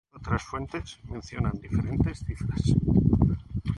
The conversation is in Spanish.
Otras fuentes mencionan diferentes cifras.